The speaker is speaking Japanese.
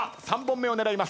３本目を狙います。